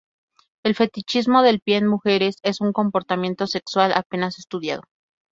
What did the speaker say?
El fetichismo del pie en mujeres es un comportamiento sexual apenas estudiado.